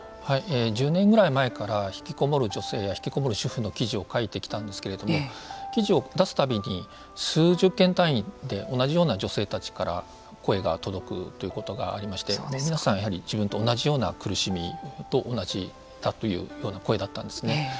１０年ぐらい前からひきこもる女性やひきこもる主婦の記事を書いてきたんですけれども記事を出すたびに、数十件単位で同じような女性たちから声が届くということがありまして皆さん、やはり自分と同じような苦しみと、同じだというような声だったんですね。